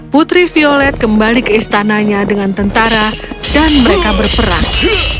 putri violet kembali ke istananya dengan tentara dan mereka berperang